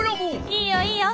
いいよいいよ。